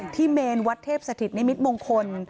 ที่เมนวัดเทพสถิตในมิตรมงคล